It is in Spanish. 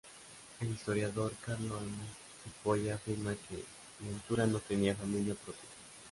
El historiador Carlo M. Cipolla afirma que Ventura no tenía familia propia.